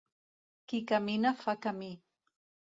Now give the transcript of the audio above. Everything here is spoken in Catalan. Qui camina fa camí.